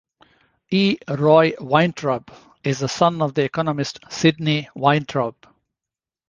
E. Roy Weintraub is the son of the economist Sidney Weintraub.